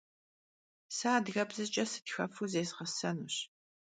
Se adıgebzeç'e sıtxefu zêzğesenuş.